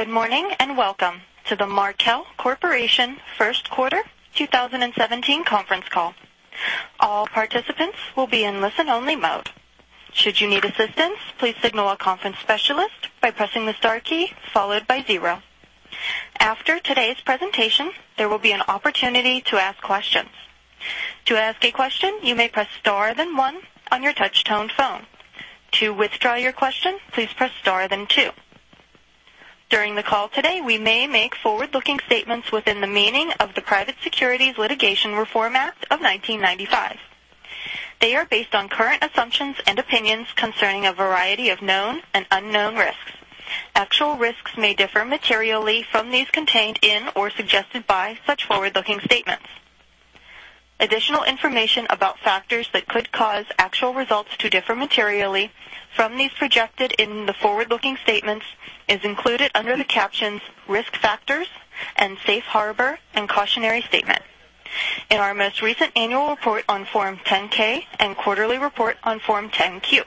Good morning, welcome to the Markel Corporation first quarter 2017 conference call. All participants will be in listen-only mode. Should you need assistance, please signal a conference specialist by pressing the star key followed by zero. After today's presentation, there will be an opportunity to ask questions. To ask a question, you may press star, then one on your touch-tone phone. To withdraw your question, please press star, then two. During the call today, we may make forward-looking statements within the meaning of the Private Securities Litigation Reform Act of 1995. They are based on current assumptions and opinions concerning a variety of known and unknown risks. Actual risks may differ materially from these contained in or suggested by such forward-looking statements. Additional information about factors that could cause actual results to differ materially from these projected in the forward-looking statements is included under the captions "Risk Factors" and "Safe Harbor and Cautionary Statement" in our most recent annual report on Form 10-K and quarterly report on Form 10-Q.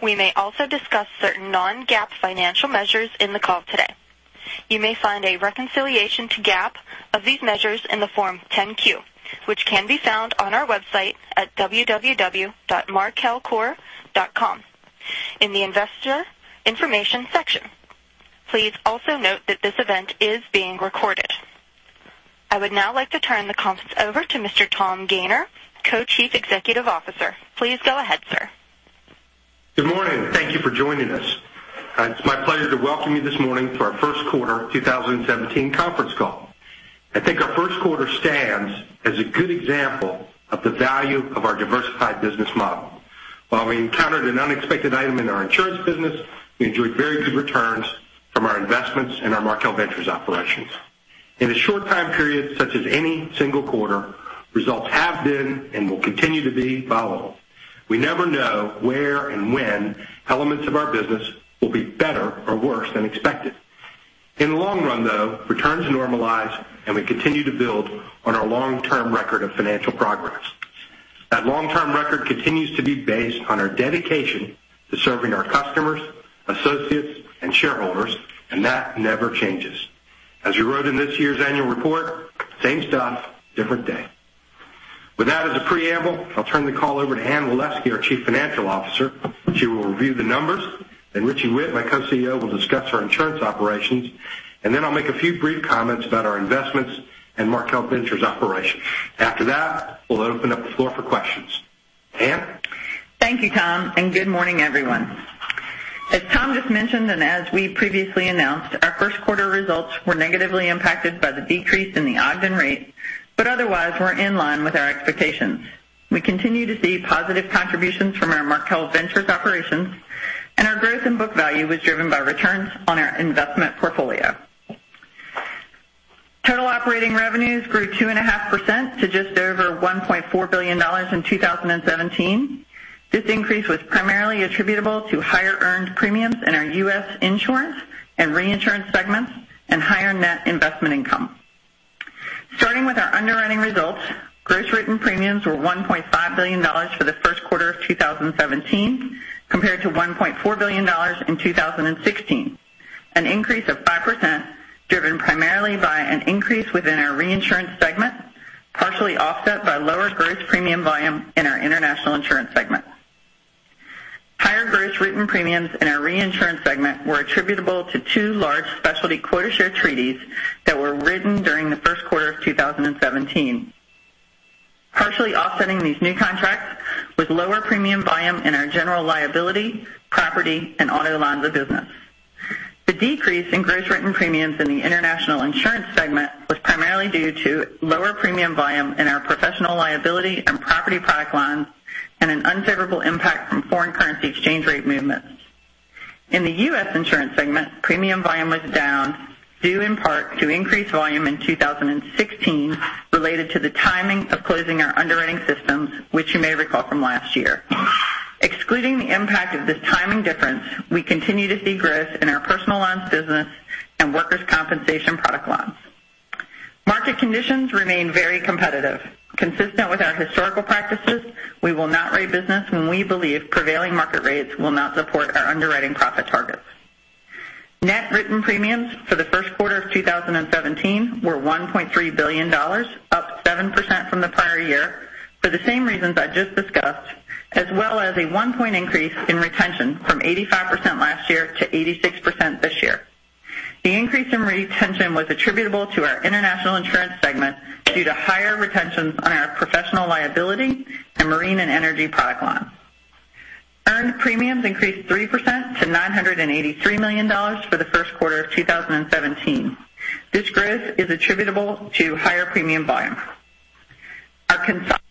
We may also discuss certain non-GAAP financial measures in the call today. You may find a reconciliation to GAAP of these measures in the Form 10-Q, which can be found on our website at www.markelcorp.com in the investor information section. Please also note that this event is being recorded. I would now like to turn the conference over to Mr. Tom Gayner, Co-Chief Executive Officer. Please go ahead, sir. Good morning. Thank you for joining us. It's my pleasure to welcome you this morning for our first quarter 2017 conference call. I think our first quarter stands as a good example of the value of our diversified business model. While we encountered an unexpected item in our insurance business, we enjoyed very good returns from our investments and our Markel Ventures operations. In a short time period such as any single quarter, results have been and will continue to be volatile. We never know where and when elements of our business will be better or worse than expected. In the long run, though, returns normalize, and we continue to build on our long-term record of financial progress. That long-term record continues to be based on our dedication to serving our customers, associates, and shareholders, and that never changes. As we wrote in this year's annual report, same stuff, different day. With that as a preamble, I'll turn the call over to Anne Waleski, our Chief Financial Officer. She will review the numbers, Richie Whitt, my Co-CEO, will discuss our insurance operations, I'll make a few brief comments about our investments and Markel Ventures operations. After that, we'll open up the floor for questions. Anne? Thank you, Tom, and good morning, everyone. As Tom just mentioned and as we previously announced, our first quarter results were negatively impacted by the decrease in the Ogden rate, but otherwise were in line with our expectations. We continue to see positive contributions from our Markel Ventures operations, and our growth in book value was driven by returns on our investment portfolio. Total operating revenues grew 2.5% to just over $1.4 billion in 2017. This increase was primarily attributable to higher earned premiums in our U.S. insurance and reinsurance segments and higher net investment income. Starting with our underwriting results, gross written premiums were $1.5 billion for the first quarter of 2017 compared to $1.4 billion in 2016, an increase of 5% driven primarily by an increase within our reinsurance segment, partially offset by lower gross premium volume in our international insurance segment. Higher gross written premiums in our reinsurance segment were attributable to two large specialty quota share treaties that were written during the first quarter of 2017. Partially offsetting these new contracts was lower premium volume in our general liability, property, and auto lines of business. The decrease in gross written premiums in the international insurance segment was primarily due to lower premium volume in our professional liability and property product lines and an unfavorable impact from foreign currency exchange rate movements. In the U.S. insurance segment, premium volume was down, due in part to increased volume in 2016 related to the timing of closing our underwriting systems, which you may recall from last year. Excluding the impact of this timing difference, we continue to see growth in our personal lines business and workers' compensation product lines. Market conditions remain very competitive. Consistent with our historical practices, we will not write business when we believe prevailing market rates will not support our underwriting profit targets. Net written premiums for the first quarter of 2017 were $1.3 billion, up 7% from the prior year for the same reasons I just discussed, as well as a one-point increase in retention from 85% last year to 86% this year. The increase in retention was attributable to our international insurance segment due to higher retentions on our professional liability and marine and energy product lines. Earned premiums increased 3% to $983 million for the first quarter of 2017. This growth is attributable to higher premium volume. Our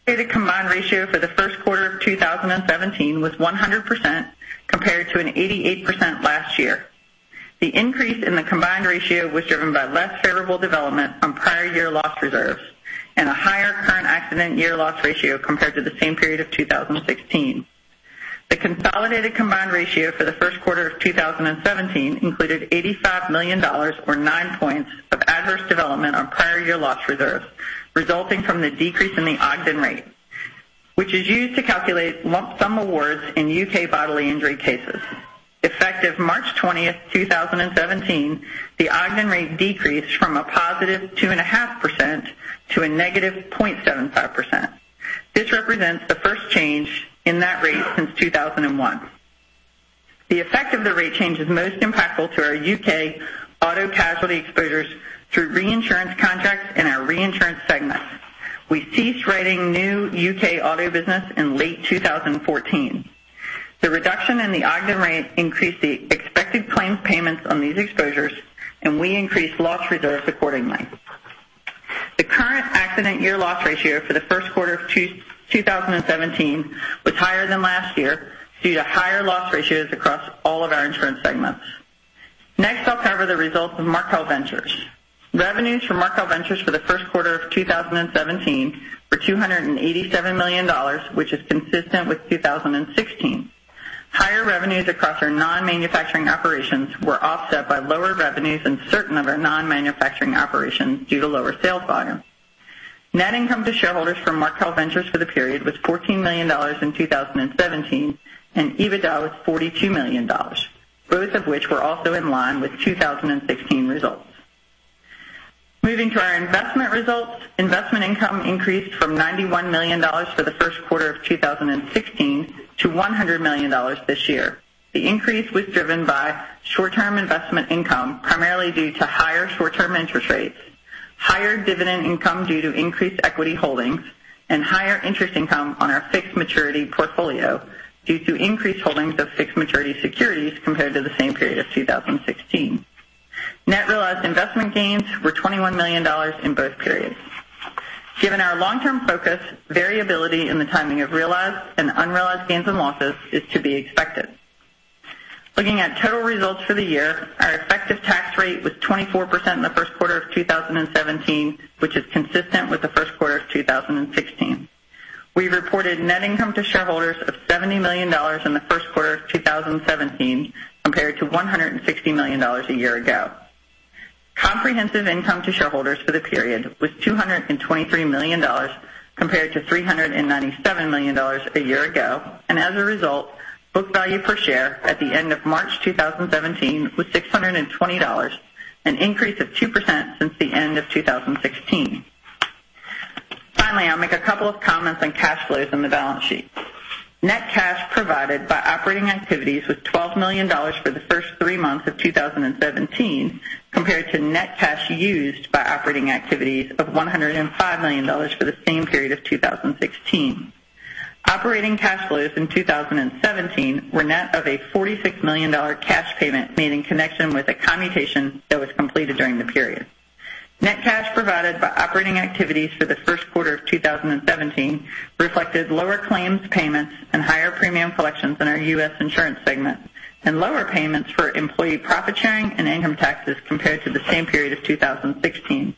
consolidated combined ratio for the first quarter of 2017 was 100% compared to an 88% last year. The increase in the combined ratio was driven by less favorable development on prior year loss reserves and a higher current accident year loss ratio compared to the same period of 2016. The consolidated combined ratio for the first quarter of 2017 included $85 million or nine points of adverse development on prior year loss reserves, resulting from the decrease in the Ogden rate, which is used to calculate lump sum awards in U.K. bodily injury cases. Effective March 20th, 2017, the Ogden rate decreased from a positive 2.5% to a negative 0.75%. This represents the first change in that rate since 2001. The effect of the rate change is most impactful to our U.K. auto casualty exposures through reinsurance contracts in our reinsurance segment. We ceased writing new U.K. auto business in late 2014. The reduction in the Ogden rate increased the expected claims payments on these exposures, and we increased loss reserves accordingly. The current accident year loss ratio for the first quarter of 2017 was higher than last year due to higher loss ratios across all of our insurance segments. Next, I'll cover the results of Markel Ventures. Revenues for Markel Ventures for the first quarter of 2017 were $287 million, which is consistent with 2016. Higher revenues across our non-manufacturing operations were offset by lower revenues in certain of our non-manufacturing operations due to lower sales volume. Net income to shareholders from Markel Ventures for the period was $14 million in 2017, and EBITDA was $42 million, both of which were also in line with 2016 results. Moving to our investment results, investment income increased from $91 million for the first quarter of 2016 to $100 million this year. The increase was driven by short-term investment income, primarily due to higher short-term interest rates, higher dividend income due to increased equity holdings, and higher interest income on our fixed maturity portfolio due to increased holdings of fixed maturity securities compared to the same period of 2016. Net realized investment gains were $21 million in both periods. Given our long-term focus, variability in the timing of realized and unrealized gains and losses is to be expected. Looking at total results for the year, our effective tax rate was 24% in the first quarter of 2017, which is consistent with the first quarter of 2016. We reported net income to shareholders of $70 million in the first quarter of 2017 compared to $160 million a year ago. Comprehensive income to shareholders for the period was $223 million compared to $397 million a year ago, and as a result, book value per share at the end of March 2017 was $620, an increase of 2% since the end of 2016. Finally, I'll make a couple of comments on cash flows in the balance sheet. Net cash provided by operating activities was $12 million for the first three months of 2017 compared to net cash used by operating activities of $105 million for the same period of 2016. Operating cash flows in 2017 were net of a $46 million cash payment made in connection with a commutation that was completed during the period. Net cash provided by operating activities for the first quarter of 2017 reflected lower claims payments and higher premium collections in our U.S. insurance segment, and lower payments for employee profit sharing and income taxes compared to the same period of 2016.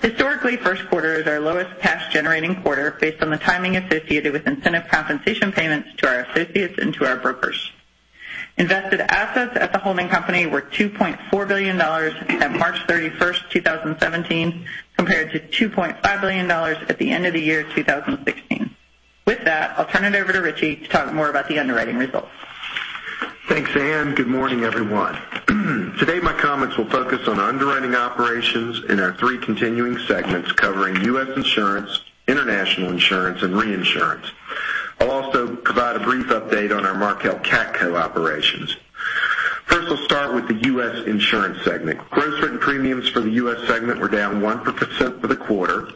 Historically, first quarter is our lowest cash generating quarter based on the timing associated with incentive compensation payments to our associates and to our brokers. Invested assets at the holding company were $2.4 billion at March 31st, 2017, compared to $2.5 billion at the end of the year 2016. With that, I'll turn it over to Richie to talk more about the underwriting results. Thanks, Anne. Good morning, everyone. Today, my comments will focus on underwriting operations in our three continuing segments covering U.S. insurance, international insurance, and reinsurance. I'll also provide a brief update on our Markel CATCo operations. First, I'll start with the U.S. insurance segment. Gross written premiums for the U.S. segment were down 1% for the quarter.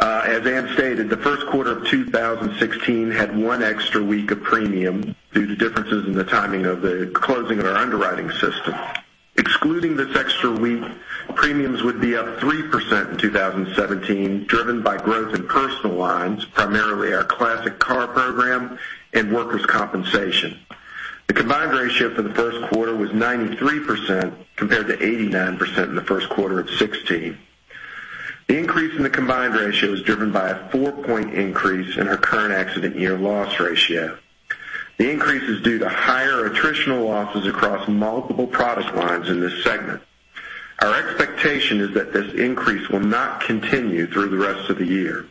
As Anne stated, the first quarter of 2016 had one extra week of premium due to differences in the timing of the closing of our underwriting system. Excluding this extra week, premiums would be up 3% in 2017, driven by growth in personal lines, primarily our classic car program and workers' compensation. The combined ratio for the first quarter was 93% compared to 89% in the first quarter of 2016. The increase in the combined ratio was driven by a four-point increase in our current accident year loss ratio. The increase is due to higher attritional losses across multiple product lines in this segment. Our expectation is that this increase will not continue through the rest of the year.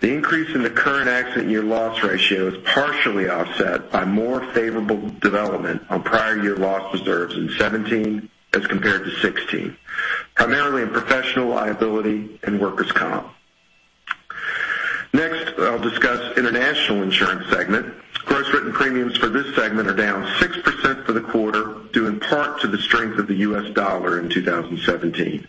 The increase in the current accident year loss ratio is partially offset by more favorable development on prior year loss reserves in 2017 as compared to 2016, primarily in professional liability and workers' comp. Next, I'll discuss international insurance segment. Gross written premiums for this segment are down 6% for the quarter, due in part to the strength of the U.S. dollar in 2017.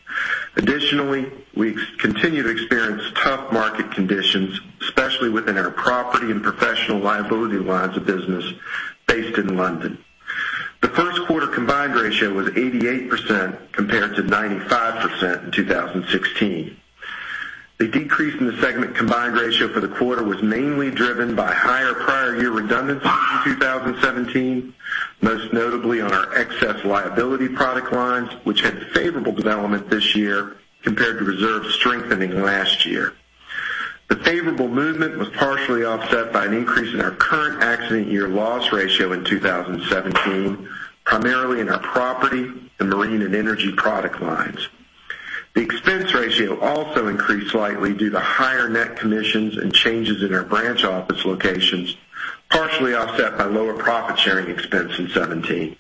Additionally, we continue to experience tough market conditions, especially within our property and professional liability lines of business based in London. The first quarter combined ratio was 88% compared to 95% in 2016. The decrease in the segment combined ratio for the quarter was mainly driven by higher prior year redundancies in 2017, most notably on our excess liability product lines, which had favorable development this year compared to reserves strengthening last year. The favorable movement was partially offset by an increase in our current accident year loss ratio in 2017, primarily in our property and marine and energy product lines. The expense ratio also increased slightly due to higher net commissions and changes in our branch office locations, partially offset by lower profit-sharing expense in 2017.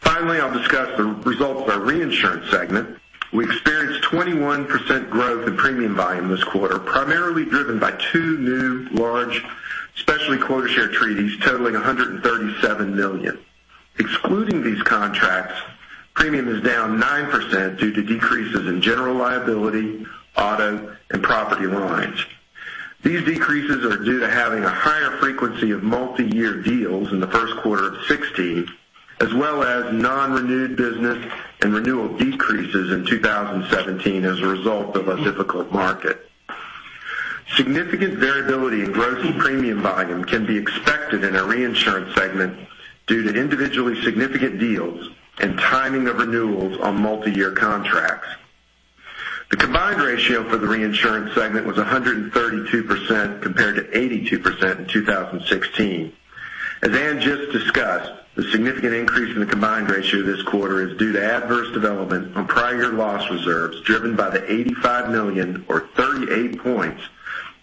Finally, I'll discuss the results of our reinsurance segment. We experienced 21% growth in premium volume this quarter, primarily driven by two new large specialty quota share treaties totaling $137 million. Excluding these contracts, premium is down 9% due to decreases in general liability, auto, and property lines. These decreases are due to having a higher frequency of multi-year deals in the first quarter of 2016, as well as non-renewed business and renewal decreases in 2017 as a result of a difficult market. Significant variability in gross premium volume can be expected in our reinsurance segment due to individually significant deals and timing of renewals on multi-year contracts. The combined ratio for the reinsurance segment was 132% compared to 82% in 2016. As Anne just discussed, the significant increase in the combined ratio this quarter is due to adverse development on prior year loss reserves, driven by the $85 million or 38 points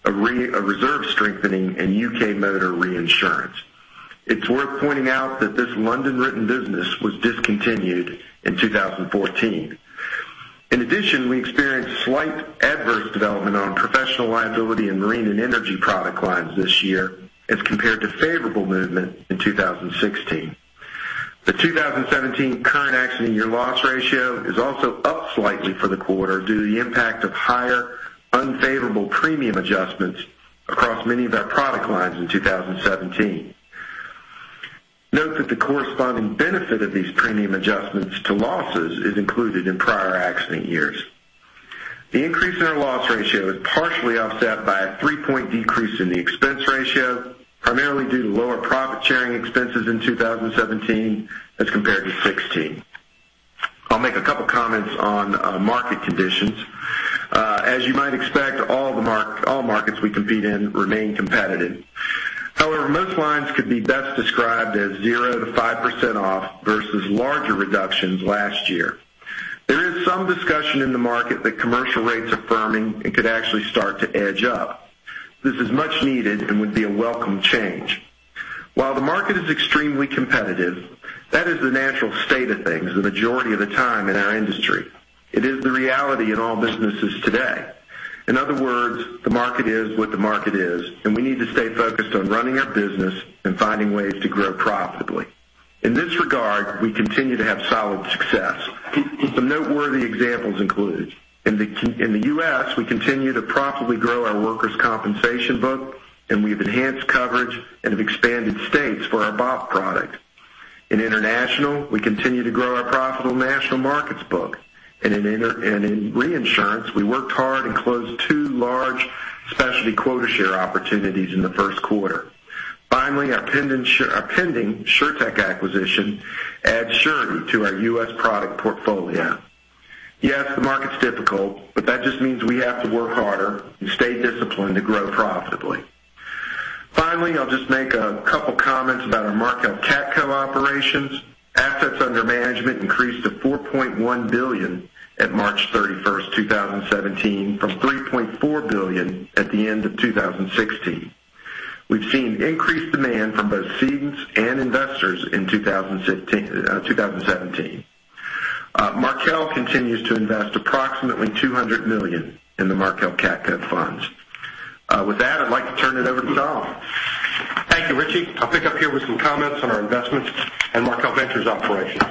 of reserve strengthening in U.K. motor reinsurance. It's worth pointing out that this London-written business was discontinued in 2014. In addition, we experienced slight adverse development on professional liability in marine and energy product lines this year as compared to favorable movement in 2016. The 2017 current accident year loss ratio is also up slightly for the quarter due to the impact of higher unfavorable premium adjustments across many of our product lines in 2017. Note that the corresponding benefit of these premium adjustments to losses is included in prior accident years. The increase in our loss ratio is partially offset by a 3-point decrease in the expense ratio, primarily due to lower profit-sharing expenses in 2017 as compared to 2016. I'll make a couple of comments on market conditions. As you might expect, all markets we compete in remain competitive. However, most lines could be best described as 0-5% off versus larger reductions last year. There is some discussion in the market that commercial rates are firming and could actually start to edge up. This is much needed and would be a welcome change. While the market is extremely competitive, that is the natural state of things the majority of the time in our industry. It is the reality in all businesses today. In other words, the market is what the market is, and we need to stay focused on running our business and finding ways to grow profitably. In this regard, we continue to have solid success. Some noteworthy examples include, in the U.S., we continue to profitably grow our workers' compensation book, and we've enhanced coverage and have expanded states for our BOP product. In international, we continue to grow our profitable national markets book. In reinsurance, we worked hard and closed two large specialty quota share opportunities in the first quarter. Finally, our pending SureTec acquisition adds surety to our U.S. product portfolio. Yes, the market's difficult, but that just means we have to work harder and stay disciplined to grow profitably. Finally, I'll just make a couple comments about our Markel CATCo operations. Assets under management increased to $4.1 billion at March 31st, 2017, from $3.4 billion at the end of 2016. We've seen increased demand from both cedents and investors in 2017. Markel continues to invest approximately $200 million in the Markel CATCo funds. With that, I'd like to turn it over to Tom. Thank you, Richie. I'll pick up here with some comments on our investments and Markel Ventures operations.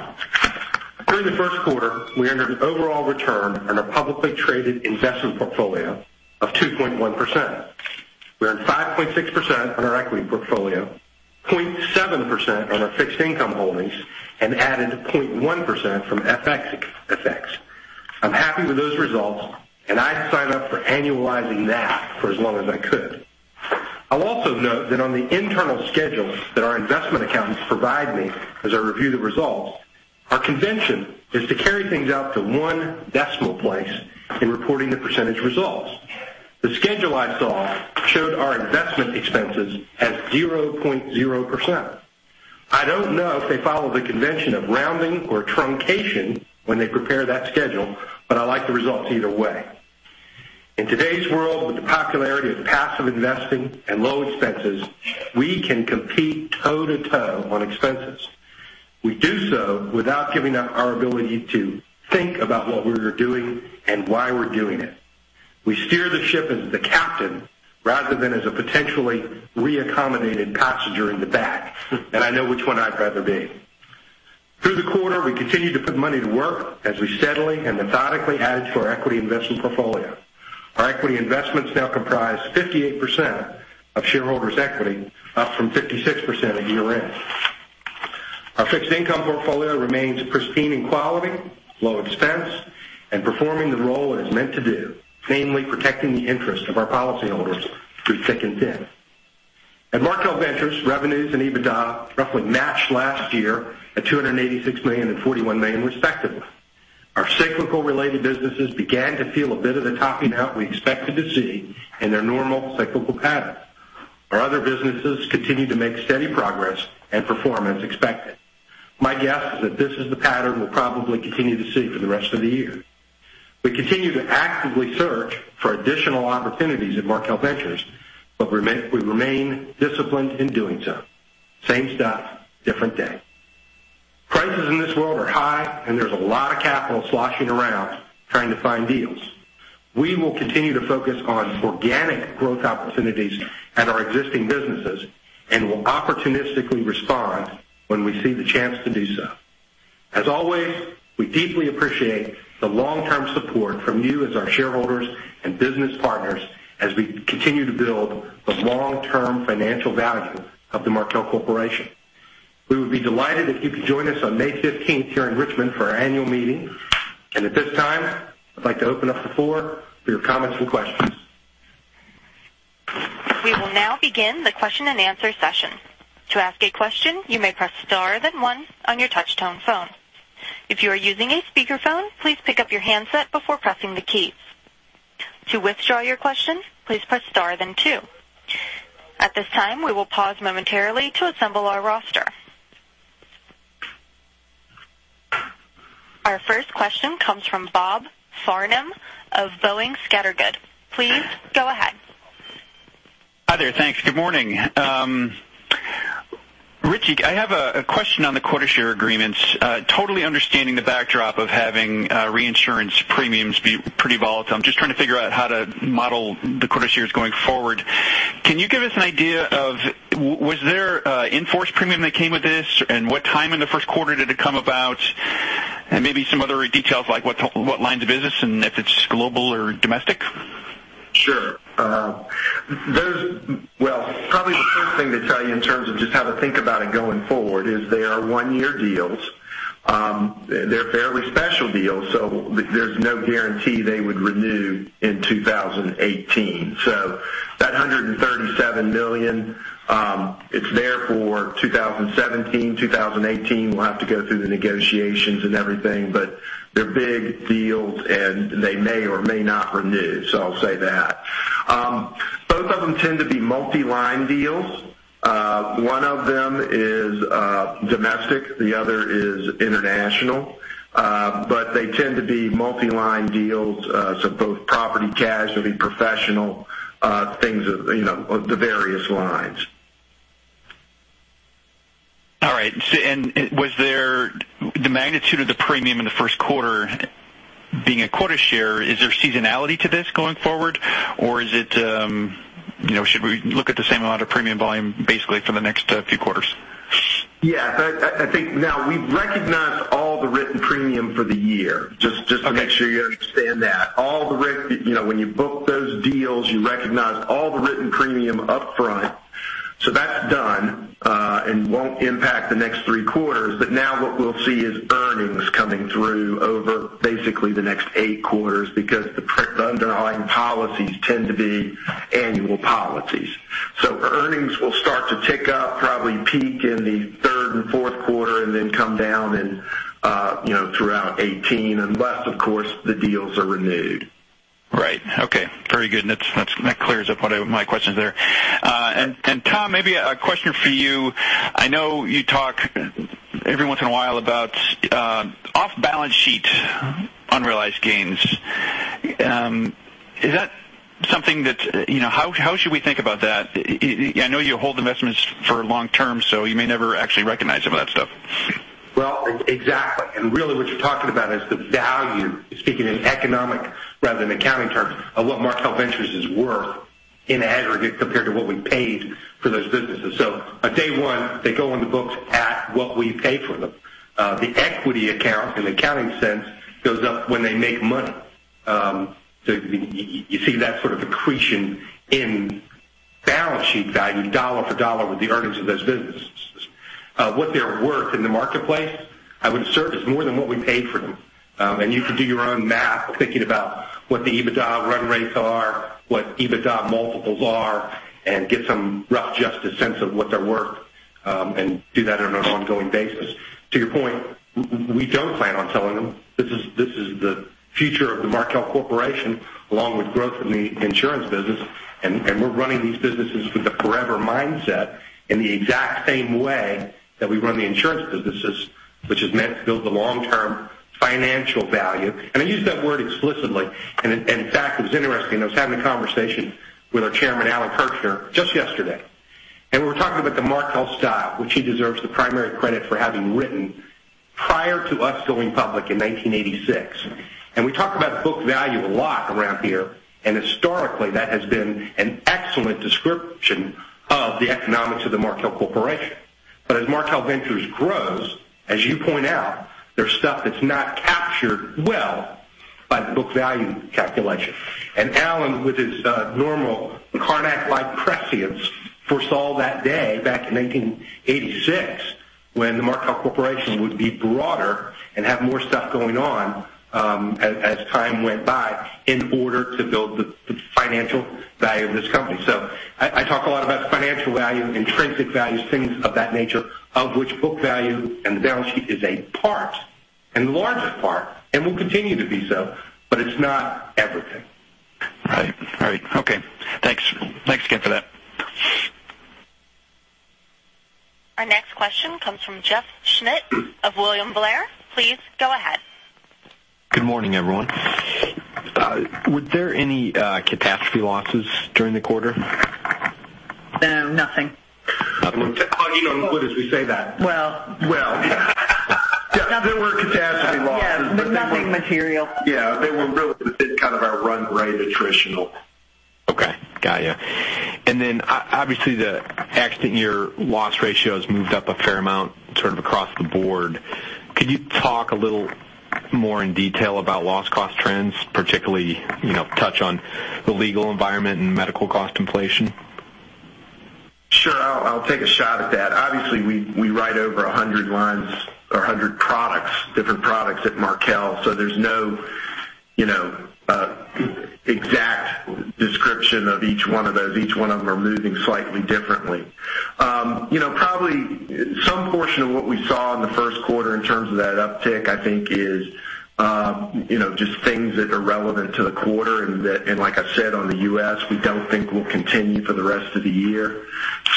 During the first quarter, we earned an overall return on our publicly traded investment portfolio of 2.1%. We earned 5.6% on our equity portfolio, 0.7% on our fixed income holdings, and added 0.1% from FX. I'm happy with those results, and I'd sign up for annualizing that for as long as I could. I'll also note that on the internal schedules that our investment accountants provide me as I review the results, our convention is to carry things out to one decimal place in reporting the percentage results. The schedule I saw showed our investment expenses as 0.0%. I don't know if they follow the convention of rounding or truncation when they prepare that schedule, but I like the results either way. In today's world, with the popularity of passive investing and low expenses, we can compete toe-to-toe on expenses. We do so without giving up our ability to think about what we're doing and why we're doing it. We steer the ship as the captain rather than as a potentially reaccommodated passenger in the back, and I know which one I'd rather be. Through the quarter, we continued to put money to work as we steadily and methodically added to our equity investment portfolio. Our equity investments now comprise 58% of shareholders' equity, up from 56% at year-end. Our fixed income portfolio remains pristine in quality, low expense, and performing the role it is meant to do, namely protecting the interest of our policyholders through thick and thin. At Markel Ventures, revenues and EBITDA roughly matched last year at $286 million and $41 million, respectively. Our cyclical related businesses began to feel a bit of the topping out we expected to see in their normal cyclical patterns. Our other businesses continue to make steady progress and perform as expected. My guess is that this is the pattern we'll probably continue to see for the rest of the year. We continue to actively search for additional opportunities at Markel Ventures. We remain disciplined in doing so. Same stuff, different day. Prices in this world are high. There's a lot of capital sloshing around trying to find deals. We will continue to focus on organic growth opportunities at our existing businesses. We will opportunistically respond when we see the chance to do so. As always, we deeply appreciate the long-term support from you as our shareholders and business partners as we continue to build the long-term financial value of the Markel Corporation. We would be delighted if you could join us on May 15th here in Richmond for our annual meeting. At this time, I'd like to open up the floor for your comments and questions. We will now begin the question and answer session. To ask a question, you may press star then one on your touch-tone phone. If you are using a speakerphone, please pick up your handset before pressing the keys. To withdraw your question, please press star then two. At this time, we will pause momentarily to assemble our roster. Our first question comes from Bob Farnam of Boenning & Scattergood. Please go ahead. Hi there. Thanks. Good morning. Richie, I have a question on the quota share agreements. Totally understanding the backdrop of having reinsurance premiums be pretty volatile. I'm just trying to figure out how to model the quota shares going forward. Can you give us an idea of, was there in-force premium that came with this, and what time in the first quarter did it come about? Maybe some other details, like what lines of business and if it's global or domestic? Sure. Probably the first thing to tell you in terms of just how to think about it going forward is they are one-year deals. They're fairly special deals, there's no guarantee they would renew in 2018. That $137 million, it's there for 2017. 2018, we'll have to go through the negotiations and everything, they're big deals, and they may or may not renew. I'll say that. Both of them tend to be multi-line deals. One of them is domestic, the other is international. They tend to be multi-line deals, both property, casualty, professional, the various lines. All right. The magnitude of the premium in the first quarter being a quota share, is there seasonality to this going forward? Should we look at the same amount of premium volume basically for the next few quarters? Yeah. We've recognized all the written premium for the year. Okay. Just to make sure you understand that. When you book those deals, you recognize all the written premium up front. That's done, and won't impact the next three quarters. Now what we'll see is earnings coming through over basically the next eight quarters because the underlying policies tend to be annual policies. Earnings will start to tick up, probably peak in the third and fourth quarter, and then come down throughout 2018, unless, of course, the deals are renewed. Right. Okay. Very good. That clears up one of my questions there. Tom, maybe a question for you. I know you talk every once in a while about off-balance sheet unrealized gains. How should we think about that? I know you hold investments for long term, you may never actually recognize some of that stuff. Well, exactly. Really what you're talking about is the value, speaking in economic rather than accounting terms, of what Markel Ventures is worth in aggregate compared to what we paid for those businesses. On day one, they go on the books at what we pay for them. The equity account, in the accounting sense, goes up when they make money. You see that sort of accretion in balance sheet value dollar for dollar with the earnings of those businesses. What they're worth in the marketplace, I would assert it's more than what we paid for them. You can do your own math of thinking about what the EBITDA run rates are, what EBITDA multiples are, and get some rough justice sense of what they're worth, and do that on an ongoing basis. To your point, we don't plan on selling them. This is the future of the Markel Corporation, along with growth in the insurance business, we're running these businesses with a forever mindset in the exact same way that we run the insurance businesses, which is meant to build the long-term financial value. I use that word explicitly. In fact, it was interesting, I was having a conversation with our Chairman, Alan Kirshner, just yesterday. We were talking about the Markel style, which he deserves the primary credit for having written prior to us going public in 1986. We talk about book value a lot around here, and historically, that has been an excellent description of the economics of the Markel Corporation. As Markel Ventures grows, as you point out, there's stuff that's not captured well by the book value calculation. Alan, with his normal Karnak-like prescience, foresaw that day back in 1986 when the Markel Corporation would be broader and have more stuff going on as time went by in order to build the financial value of this company. I talk a lot about financial value, intrinsic value, things of that nature, of which book value and the balance sheet is a part The largest part, and will continue to be so, but it's not everything. Right. Okay. Thanks again for that. Our next question comes from Jeff Schmitt of William Blair. Please go ahead. Good morning, everyone. Were there any catastrophe losses during the quarter? No, nothing. Well, you know I'm good as we say that. Well. Well, yeah. There were catastrophe losses. Yeah, nothing material. Yeah, they were really within kind of our run rate attritional. Okay. Got you. Obviously the accident year loss ratio has moved up a fair amount sort of across the board. Could you talk a little more in detail about loss cost trends, particularly touch on the legal environment and medical cost inflation? Sure. I'll take a shot at that. Obviously, we write over 100 lines or 100 products, different products at Markel, so there's no exact description of each one of those. Each one of them are moving slightly differently. Probably some portion of what we saw in the first quarter in terms of that uptick, I think is just things that are relevant to the quarter and that, and like I said, on the U.S., we don't think will continue for the rest of the year.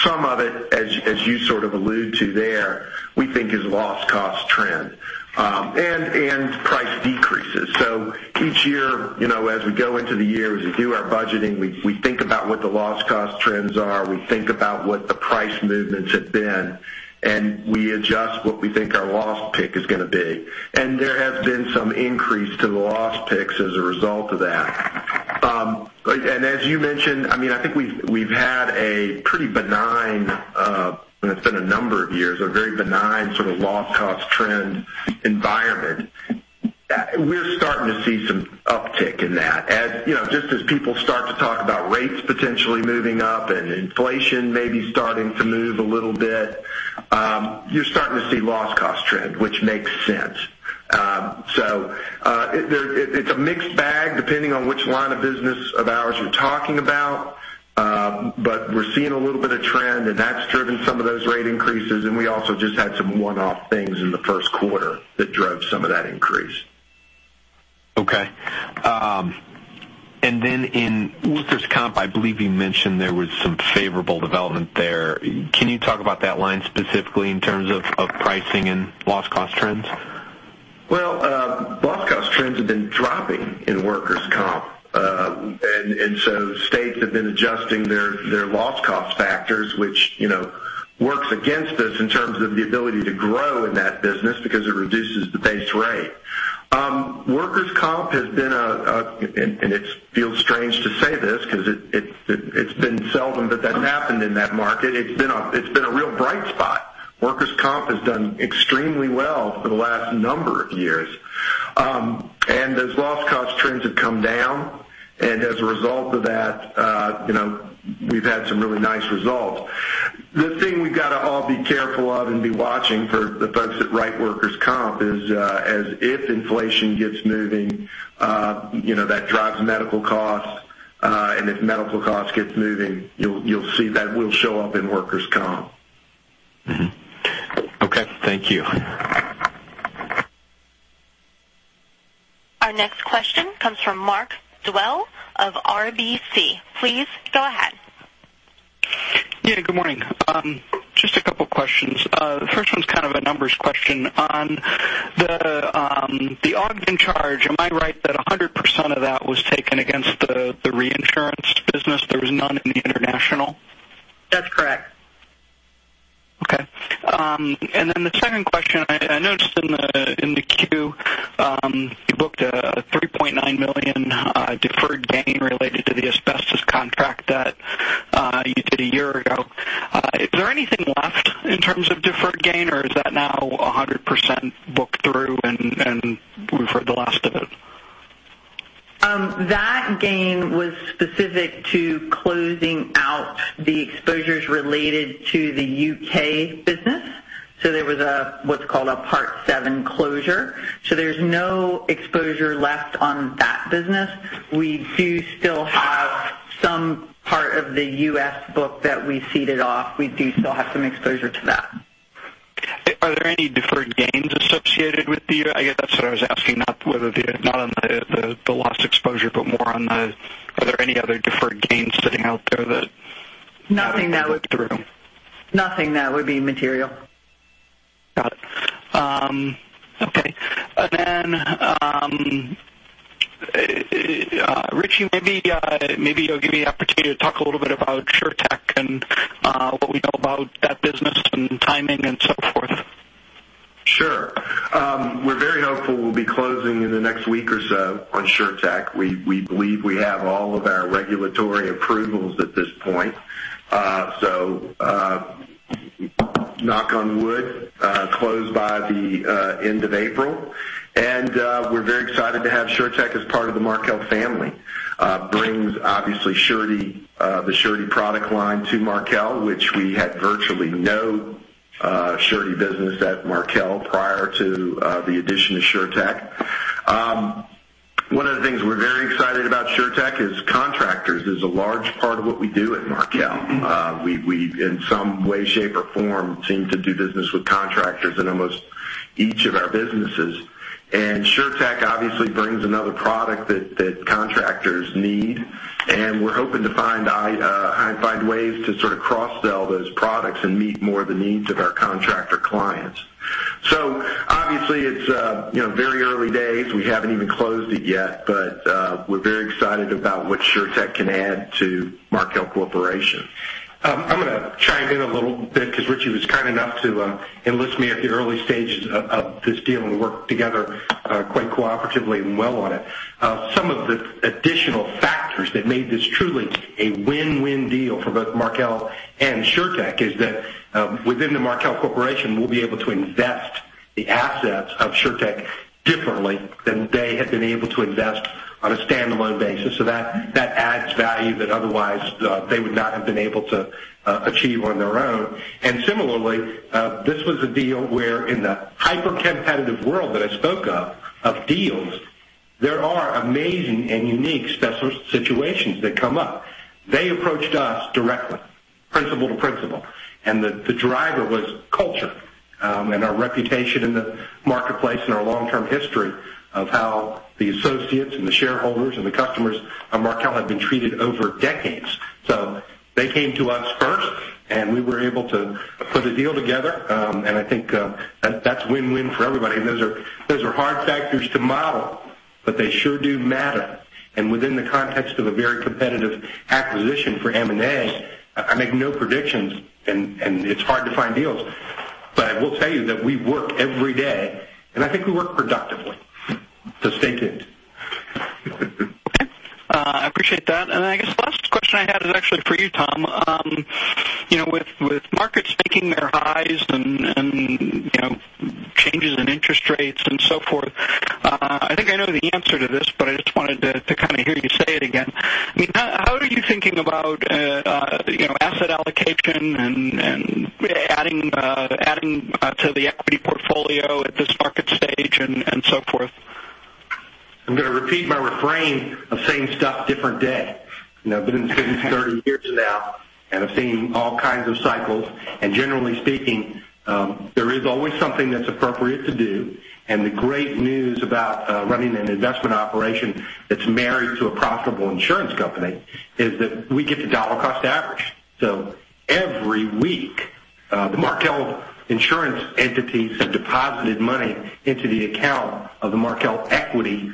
Some of it, as you sort of allude to there, we think is loss cost trend and price decreases. Each year, as we go into the year, as we do our budgeting, we think about what the loss cost trends are. We think about what the price movements have been, and we adjust what we think our loss pick is going to be. There has been some increase to the loss picks as a result of that. As you mentioned, I think we've had a pretty benign, and it's been a number of years, a very benign sort of loss cost trend environment. We're starting to see some uptick in that. Just as people start to talk about rates potentially moving up and inflation maybe starting to move a little bit, you're starting to see loss cost trend, which makes sense. It's a mixed bag depending on which line of business of ours you're talking about. We're seeing a little bit of trend, and that's driven some of those rate increases, and we also just had some one-off things in the first quarter that drove some of that increase. Okay. In workers' comp, I believe you mentioned there was some favorable development there. Can you talk about that line specifically in terms of pricing and loss cost trends? Well, loss cost trends have been dropping in workers' comp. States have been adjusting their loss cost factors, which works against us in terms of the ability to grow in that business because it reduces the base rate. Workers' comp has been, and it feels strange to say this because it's been seldom that that's happened in that market, it's been a real bright spot. Workers' comp has done extremely well for the last number of years. As loss cost trends have come down, and as a result of that, we've had some really nice results. The thing we've got to all be careful of and be watching for the folks at Wright Specialty Insurance is, as if inflation gets moving, that drives medical costs. If medical costs gets moving, you'll see that will show up in workers' comp. Mm-hmm. Okay. Thank you. Our next question comes from Mark Dwelle of RBC. Please go ahead. Yeah, good morning. Just a couple questions. The first one's kind of a numbers question. On the Ogden charge, am I right that 100% of that was taken against the reinsurance business? There was none in the international? That's correct. Okay. Then the second question, I noticed in the Form 10-Q, you booked a $3.9 million deferred gain related to the asbestos contract that you did a year ago. Is there anything left in terms of deferred gain, or is that now 100% booked through and we've heard the last of it? That gain was specific to closing out the exposures related to the U.K. business. There was what's called a Part VII closure. There's no exposure left on that business. We do still have some part of the U.S. book that we ceded off. We do still have some exposure to that. Are there any deferred gains associated with the, I guess that's what I was asking, not on the lost exposure, but more on the, are there any other deferred gains sitting out there? Nothing that would. Have been booked through. Nothing that would be material. Got it. Okay. Then, Richie, maybe you'll give me an opportunity to talk a little bit about SureTec and what we know about that business and timing and so forth. Sure. We're very hopeful we'll be closing in the next week or so on SureTec. We believe we have all of our regulatory approvals at this point. Knock on wood, close by the end of April. We're very excited to have SureTec as part of the Markel family. Brings obviously the surety product line to Markel, which we had virtually no surety business at Markel prior to the addition of SureTec. One of the things we're very is a large part of what we do at Markel. We, in some way, shape, or form, seem to do business with contractors in almost each of our businesses. SureTec obviously brings another product that contractors need, and we're hoping to find ways to cross-sell those products and meet more of the needs of our contractor clients. Obviously it's very early days. We haven't even closed it yet, we're very excited about what SureTec can add to Markel Corporation. I'm going to chime in a little bit because Richie was kind enough to enlist me at the early stages of this deal, and we worked together quite cooperatively and well on it. Some of the additional factors that made this truly a win-win deal for both Markel and SureTec is that within the Markel Corporation, we'll be able to invest the assets of SureTec differently than they had been able to invest on a standalone basis. So that adds value that otherwise they would not have been able to achieve on their own. Similarly, this was a deal where in the hyper-competitive world that I spoke of deals, there are amazing and unique special situations that come up. They approached us directly, principal to principal, and the driver was culture, and our reputation in the marketplace, and our long-term history of how the associates and the shareholders and the customers of Markel have been treated over decades. So they came to us first, and we were able to put a deal together. I think that's win-win for everybody. Those are hard factors to model, but they sure do matter. Within the context of a very competitive acquisition for M&A, I make no predictions, and it's hard to find deals. I will tell you that we work every day, and I think we work productively. So stay tuned. Okay. I appreciate that. I guess the last question I had is actually for you, Tom. With markets making their highs and changes in interest rates and so forth, I think I know the answer to this, but I just wanted to hear you say it again. How are you thinking about asset allocation and adding to the equity portfolio at this market stage and so forth? I'm going to repeat my refrain of same stuff, different day. I've been in this business 30 years now, and I've seen all kinds of cycles. Generally speaking, there is always something that's appropriate to do. The great news about running an investment operation that's married to a profitable insurance company is that we get to dollar cost average. So every week, the Markel insurance entities have deposited money into the account of the Markel equity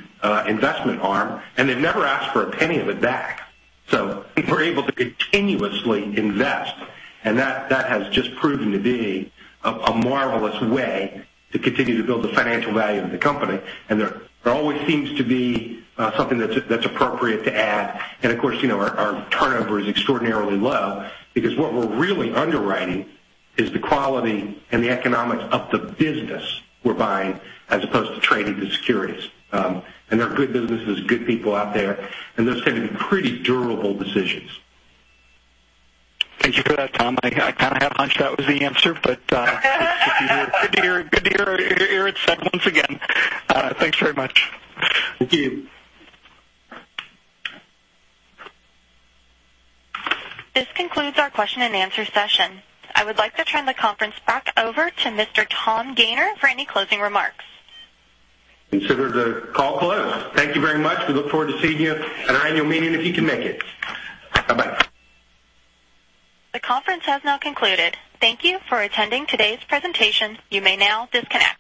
investment arm, and they've never asked for a penny of it back. So we're able to continuously invest, and that has just proven to be a marvelous way to continue to build the financial value of the company. There always seems to be something that's appropriate to add. Of course, our turnover is extraordinarily low because what we're really underwriting is the quality and the economics of the business we're buying as opposed to trading the securities. There are good businesses, good people out there, and those tend to be pretty durable decisions. Thank you for that, Tom. I kind of had a hunch that was the answer, good to hear it said once again. Thanks very much. Thank you. This concludes our question and answer session. I would like to turn the conference back over to Mr. Tom Gayner for any closing remarks. Consider the call closed. Thank you very much. We look forward to seeing you at annual meeting, if you can make it. Bye-bye. The conference has now concluded. Thank you for attending today's presentation. You may now disconnect.